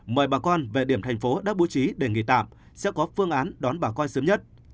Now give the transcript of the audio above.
mời bà con về điểm thành phố đã bố trí để nghỉ tạm sẽ có phương án đón bà con sớm nhất